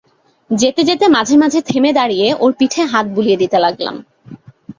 যেতে যেতে মাঝে মাঝে থেমে দাঁড়িয়ে ওর পিঠে হাত বুলিয়ে দিতে লাগলাম।